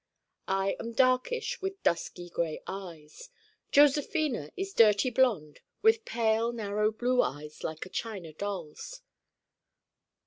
I am darkish with dusky gray eyes. Josephina is dirty blond with pale narrow blue eyes like a china doll's.